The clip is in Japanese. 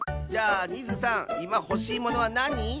じゃあニズさんいまほしいものはなに？